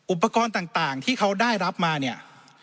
อุปกรณ์ต่างที่เขาได้รับมาเนี่ย